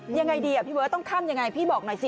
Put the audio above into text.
ยังไงดีอ่ะพี่เบิร์ตต้องข้ามยังไงพี่บอกหน่อยสิ